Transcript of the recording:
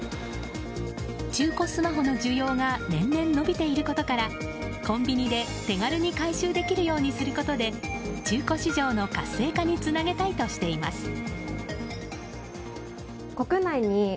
中古スマホの需要が年々伸びていることからコンビニで手軽に回収できるようにすることで中古市場の活性化につなげたいとしています。